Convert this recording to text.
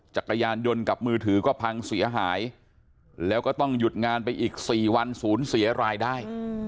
จักรยานยนต์กับมือถือก็พังเสียหายแล้วก็ต้องหยุดงานไปอีก๔วันศูนย์เสียรายได้